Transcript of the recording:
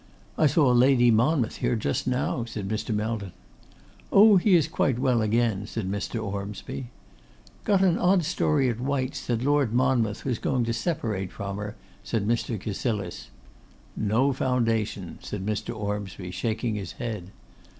'I saw Lady Monmouth here just now,' said Mr. Melton. 'Oh! he is quite well again,' said Mr. Ormsby. 'Got an odd story at White's that Lord Monmouth was going to separate from her,' said Mr. Cassilis. 'No foundation,' said Mr. Ormsby, shaking his head.